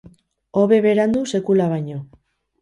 Hobe berandu sekula baino.